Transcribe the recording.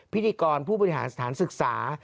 พิธีกรผู้บริหารสถานศึกษา